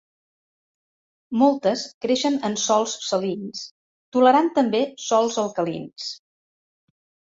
Moltes creixen en sòls salins tolerant també sòls alcalins.